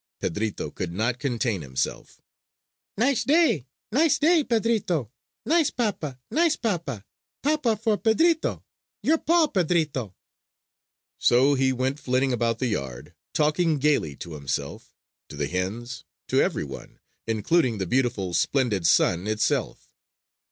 Pedrito could not contain himself: "Nice day, nice day, Pedrito!" "Nice papa, nice papa," "Papa for Pedrito!" "Your paw, Pedrito!" So he went flitting about the yard, talking gayly to himself, to the hens, to everyone, including the beautiful, splendid sun itself.